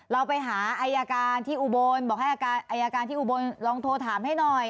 เราไปหาอายการที่อุบลบอกให้อายการที่อุบลลองโทรถามให้หน่อย